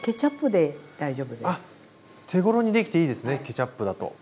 あ手頃にできていいですねケチャップだと。